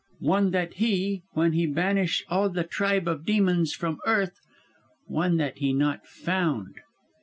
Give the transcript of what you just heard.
one that he, when he banish all the tribe of the demons from earth one that he not found."